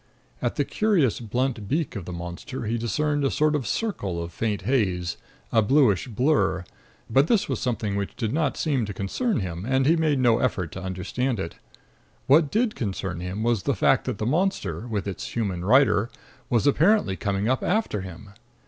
At the curious blunt beak of the monster he discerned a sort of circle of faint haze, a bluish blur, but this was something which did not seem to concern him, and he made no effort to understand it. What did concern him was the fact that the monster, with its human rider, was apparently coming up after him.